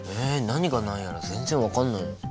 何が何やら全然分かんないよ。